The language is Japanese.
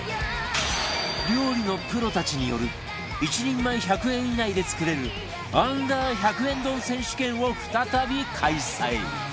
料理のプロたちによる１人前１００円以内で作れる Ｕ−１００ 円丼選手権を再び開催